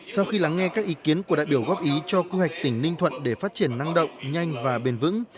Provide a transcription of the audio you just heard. sau khi lắng nghe các ý kiến của đại biểu góp ý cho quy hạch tỉnh ninh thuận để phát triển năng động nhanh và bền vững